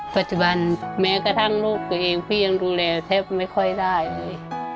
ปัจจุบันแม้กระทั่งลูกตัวเองพี่ยังดูแลแทบไม่ค่อยได้เลย